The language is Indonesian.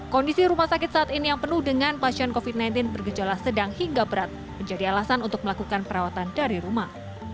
kondisi rumah sakit saat ini yang penuh dengan pasien covid sembilan belas bergejala sedang hingga berat menjadi alasan untuk melakukan perawatan dari rumah